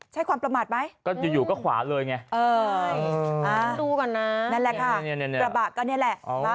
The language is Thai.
ใช้ความประมาทไหม